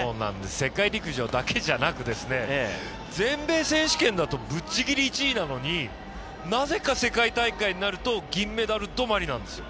世界陸上だけじゃなく、全米選手権だとぶっちぎり１位なのになぜか、世界大会になると銀メダル止まりなんですよ。